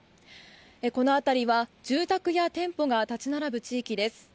この辺りは住宅が店舗が立ち並ぶ地域です。